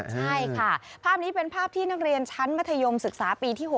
ใช่ค่ะภาพนี้เป็นภาพที่นักเรียนชั้นมัธยมศึกษาปีที่๖